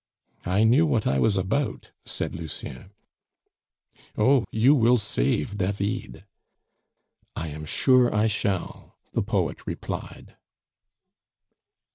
"I knew what I was about," said Lucien. "Oh! you will save David." "I am sure I shall," the poet replied.